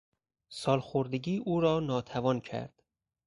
سالخوردگی او را ناتوان کرد.